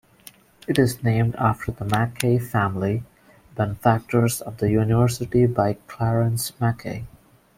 It is named after the Mackay family, benefactors of the university by Clarence Mackay.